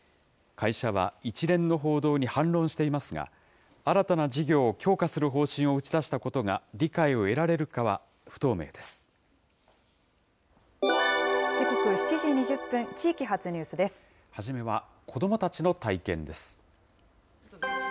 会社は一連の報道に反論していますが、新たな事業を強化する方針を打ち出したことが理解を得られるかは時刻は７時２０分、地域発ニ初めは、子どもたちの体験です。